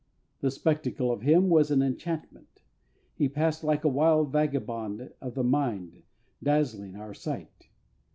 The spectacle of him was an enchantment; he passed like a wild vagabond of the mind, dazzling our sight.